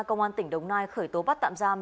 công an tỉnh đồng nai khởi tố bắt tạm giam